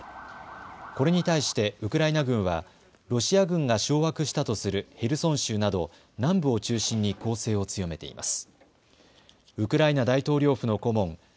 これに対してウクライナ軍はロシア軍が掌握したとするヘルソン州など南部を中心に攻勢を強めています。